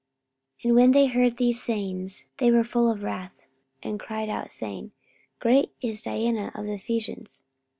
44:019:028 And when they heard these sayings, they were full of wrath, and cried out, saying, Great is Diana of the Ephesians.